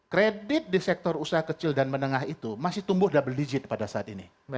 kredit di sektor usaha kecil dan menengah itu masih tumbuh double digit pada saat ini